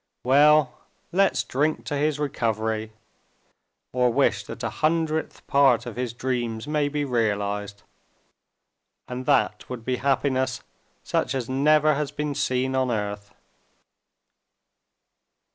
"Well, let's drink to his recovery, or wish that a hundredth part of his dreams may be realized—and that would be happiness such as never has been seen on earth!"